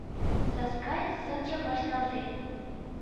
Саскай, сынжым вашталтен